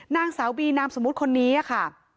นางสาวบีนามสมมุติคนนี้ค่ะ